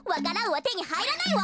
はてにはいらないわ。